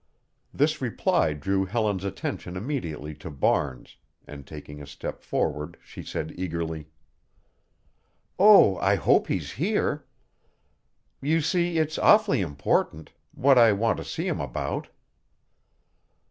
This reply drew Helen's attention immediately to Barnes and taking a step forward she said eagerly: "Oh, I hope he's here. You see, it's awfully important what I want to see him about."